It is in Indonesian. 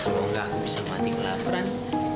kalau enggak aku bisa mati kelaperan